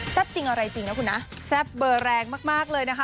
แซ่บจริงอย่างไรจริงนะคุณนะแซ่บเบย์แรงมากเลยนะคะ